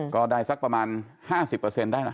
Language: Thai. ก็ได้สักประมาณ๕๐ได้ล่ะ